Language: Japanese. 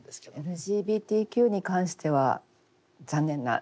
ＬＧＢＴＱに関しては残念な状態ですね。